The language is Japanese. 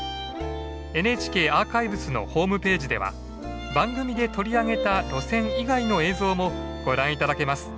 ＮＨＫアーカイブスのホームページでは番組で取り上げた路線以外の映像もご覧頂けます。